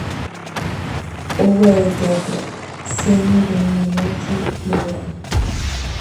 Obra de teatro: Sueño de una noche de verano